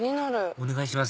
お願いします